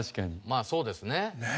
まあそうですね。